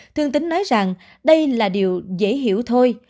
thương tính nói rằng đây là điều dễ hiểu thôi